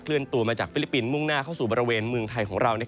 เลื่อนตัวมาจากฟิลิปปินส์มุ่งหน้าเข้าสู่บริเวณเมืองไทยของเรา